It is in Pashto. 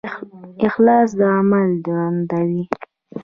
اخلاص عمل دروندوي